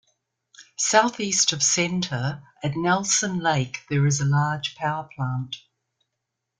Southeast of Center, at Nelson Lake there is a large power plant.